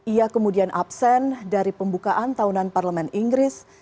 ia kemudian absen dari pembukaan tahunan parlemen inggris